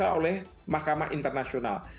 ini akan diperiksa oleh mahkamah internasional